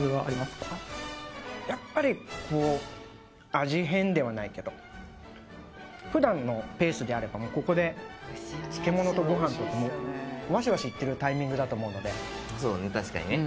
やっぱりこうではないけど普段のペースであればもうここで漬物とごはんとわしわしいってるタイミングだと思うのでそうだね